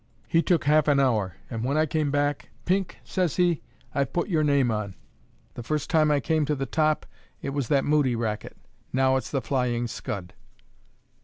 He took half an hour, and when I came back, 'Pink,' says he, 'I've put your name on.' The first time I came to the top, it was that Moody racket; now it's the Flying Scud."